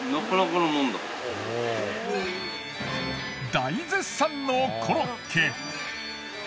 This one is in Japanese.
大絶賛のコロッケ。